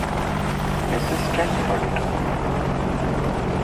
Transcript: އެސިސްޓެންްޓް އޮޑިޓަރ